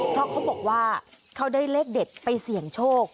เพราะเขาบอกว่าเขาได้เลขเด็ดไปเสี่ยงโชค